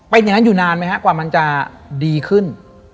เป็นอย่างนั้นอยู่นานไหมฮะกว่ามันจะดีขึ้น